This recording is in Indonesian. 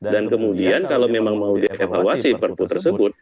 dan kemudian kalau memang mau dievaluasi perpu tersebut